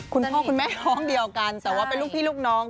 คุณพ่อคุณแม่น้องเดียวกันแต่ว่าเป็นลูกพี่ลูกน้อง